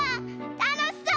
たのしそう！